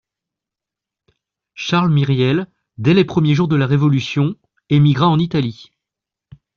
Charles Myriel, dès les premiers jours de la révolution, émigra en Italie